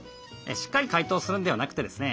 しっかり解凍するんではなくてですね